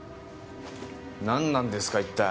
何なんですか一体。